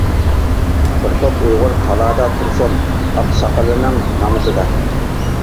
بىر توپ ئۇيغۇر تالادا تۇرسۇن، ئاقساقىلىنىڭ نامىزىدا.